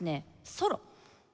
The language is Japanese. ソロ。